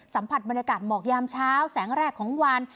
สัมผัสบรรยากาศหมอกยามเช้าแสงแรกของวัน